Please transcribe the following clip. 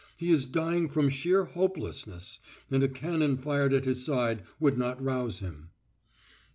He is dying from sheer hopelessness, and a cannon fired at his side would not rouse him."